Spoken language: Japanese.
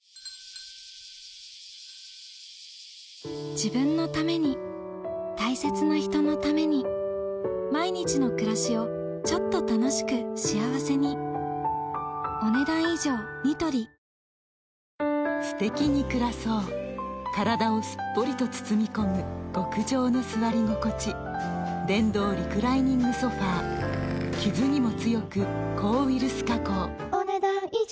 自分のために大切な人のために毎日の暮らしをちょっと楽しく幸せにすてきに暮らそう体をすっぽりと包み込む極上の座り心地電動リクライニングソファ傷にも強く抗ウイルス加工お、ねだん以上。